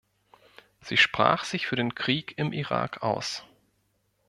Sie sprach sich für den Krieg im Irak aus.